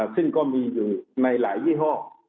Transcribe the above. ซึ่งก็มีอยู่ในหลายยี่ห้อ